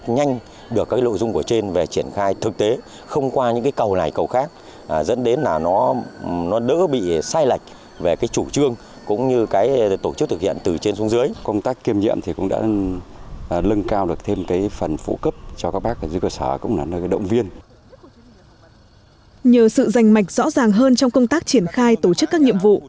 nhờ sự giành mạch rõ ràng hơn trong công tác triển khai tổ chức các nhiệm vụ